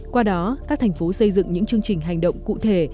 qua đó các thành phố xây dựng những chương trình hành động cụ thể